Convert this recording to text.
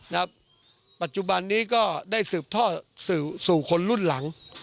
ปัจจุบันนี้ก็ได้สืบท่อสู่คนรุ่นหลัง